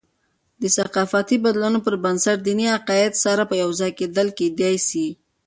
د ثقافتي بدلونونو پربنسټ، د دیني عقاید سره یوځای کیدل کېدي سي.